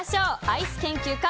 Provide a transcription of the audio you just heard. アイス研究家